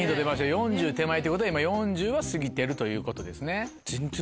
４０歳手前ってことは今４０歳は過ぎてるということですね。